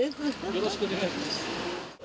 よろしくお願いします。